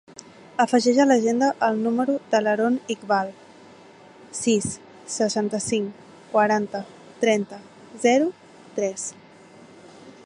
Afegeix a l'agenda el número de l'Haron Iqbal: sis, seixanta-cinc, quaranta, trenta, zero, tres.